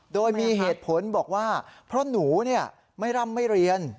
โดยมีเหตุผลบอกว่าเพราะหนูไม่ร่ำไม่เรียน